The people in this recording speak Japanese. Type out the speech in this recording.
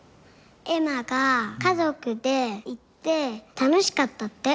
エマが家族で行って楽しかったって。